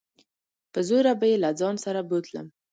په زوره به يې له ځان سره بوتلم.